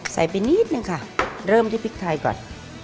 ไปนิดนึงค่ะเริ่มที่พริกไทยก่อน